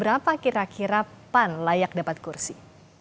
berapa kira kira pan layak dapat kursi